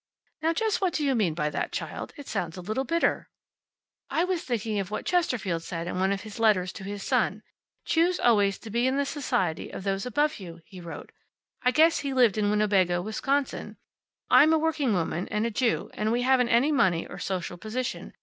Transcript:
"Now, just what do you mean by that, child? It sounds a little bitter." "I was thinking of what Chesterfield said in one of his Letters to His Son. `Choose always to be in the society of those above you,' he wrote. I guess he lived in Winnebago, Wisconsin. I'm a working woman, and a Jew, and we haven't any money or social position.